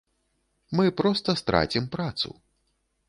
Мы проста страцім працу.